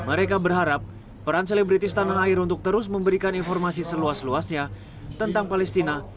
mereka berharap peran selebritis tanah air untuk terus memberikan informasi seluas luasnya tentang palestina